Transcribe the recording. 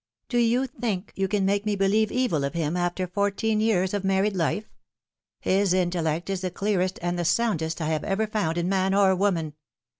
Do you think you can make me believe evil of him after fourteen years of married life? His intellect is the clearest and the soundest I have ever found in man or woman.